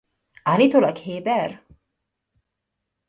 Állítólag héber?